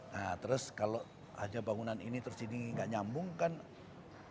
nah terus kalau aja bangunan ini tersini gak nyambung kan nilainya gak ada